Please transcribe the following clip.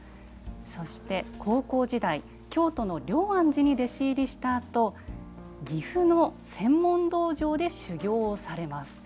そして高校時代、京都の龍安寺に弟子入りしたあと岐阜の専門道場で修行をされます。